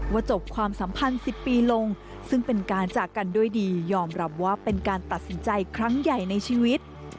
จบความสัมพันธ์๑๐ปีลงซึ่งเป็นการจากกันด้วยดียอมรับว่าเป็นการตัดสินใจครั้งใหญ่ในชีวิต